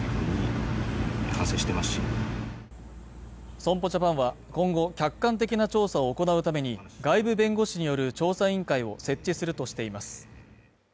損保ジャパンは今後客観的な調査を行うために外部弁護士による調査委員会を設置するとしています